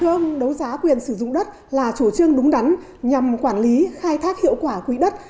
đấu giá quyền sử dụng đất là chủ trương đúng đắn nhằm quản lý khai thác hiệu quả quỹ đất